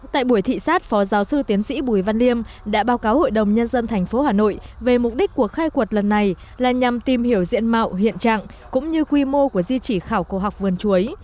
tại buổi thị sát phó giáo sư tiến sĩ bùi văn liêm đã báo cáo hội đồng nhân dân tp hà nội về mục đích của khai quật lần này là nhằm tìm hiểu diện mạo hiện trạng cũng như quy mô của di chỉ khảo cổ học vườn chuối